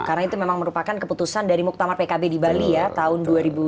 karena itu memang merupakan keputusan dari muktamar pkb di bali ya tahun dua ribu sembilan belas